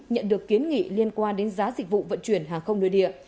nhận được kiến nghị liên quan đến giá dịch vụ vận chuyển hàng không nơi địa